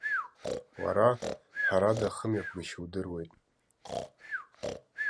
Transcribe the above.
Уара, ҳәарада, ахымҩаԥгашьа удыруеит.